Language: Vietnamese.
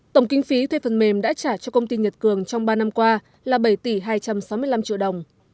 tổng kinh phí thuê phần mềm đã trả cho công ty nhật cường trong ba năm qua là bảy tỷ hai trăm sáu mươi năm triệu đồng